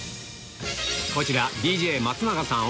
こちらＤＪ松永さん